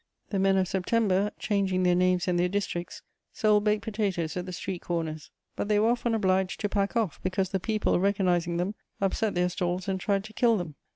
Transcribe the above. The men of September, changing their names and their districts, sold baked potatoes at the street corners; but they were often obliged to pack off, because the people, recognising them, upset their stalls and tried to kill them.